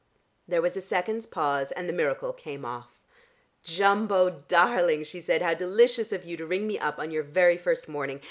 There was a second's pause, and the miracle came off. "Jumbo darling," she said. "How delicious of you to ring me up on your very first morning.